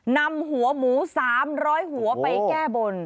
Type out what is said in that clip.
นำหัวหมู๓๐๐หัวไปแก้บน